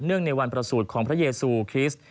ในวันประสูจน์ของพระเยซูคริสต์